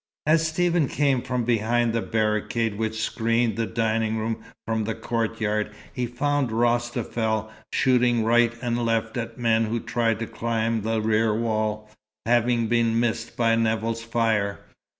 As Stephen came from behind the barricade which screened the dining room from the courtyard, he found Rostafel shooting right and left at men who tried to climb the rear wall, having been missed by Nevill's fire.